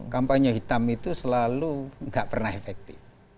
kampanye hitam itu selalu nggak pernah efektif